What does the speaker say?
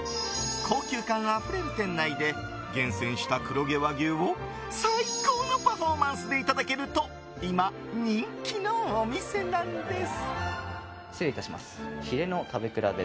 高級感あふれる店内で厳選した黒毛和牛を最高のパフォーマンスでいただけると今、人気のお店なんです。